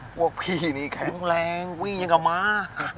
พวกพี่นี่แข็งแรงวิ่งยังกลับมา